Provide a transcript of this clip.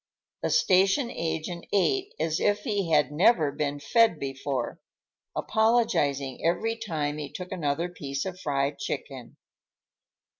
The station agent ate as if he had never been fed before, apologizing every time he took another piece of fried chicken.